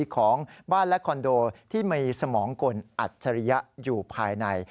ของบ้านและคอนโดที่มีสมองกลอัจฉริยะอยู่ภายใน